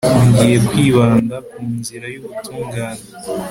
ngiye kwibanda ku nzira y'ubutungane